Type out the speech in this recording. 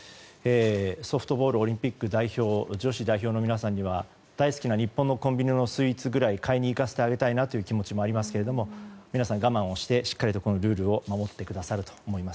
ソフトボールオリンピック女子代表の皆さんには大好きな日本のコンビニのスイーツくらい買いに行かせてあげたいなという気持ちもありますが皆さん我慢をしてしっかりルールを守ってくださると思います。